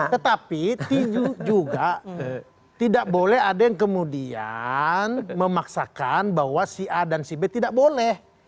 tetapi juga tidak boleh ada yang kemudian memaksakan bahwa si a dan si b tidak boleh